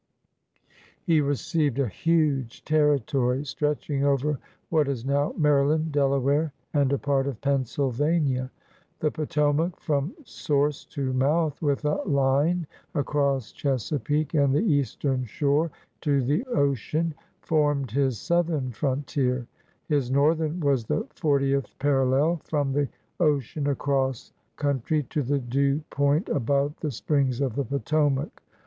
He received a huge territory, stretching over what is now Maryland, Delaware, and a part of Pennsylvania. The Potomac, from source tomouth, with a line across Chesapeake and the Eastern Shore to the ocean farmed his southern frontia*; his northern was the fortieth parallel, from the ocean across country to the due point above the springs of the Potomac.